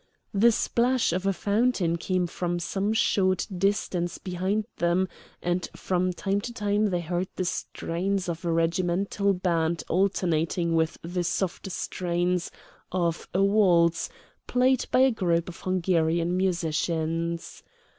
The splash of a fountain came from some short distance behind them, and from time to time they heard the strains of a regimental band alternating with the softer strains of a waltz played by a group of Hungarian musicians.